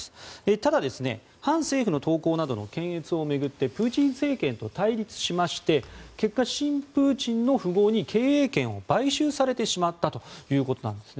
ただ、反政府の投稿などの検閲を巡ってプーチン政権と対立しまして結果、親プーチンの富豪に経営権を買収されてしまったということなんですね。